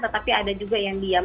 tetapi ada juga yang diam